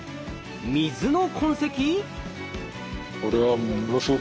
水の痕跡？